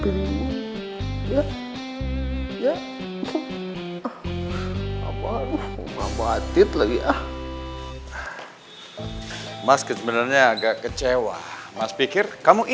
ini teh mau latih keras